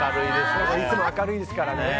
いつも明るいですからね。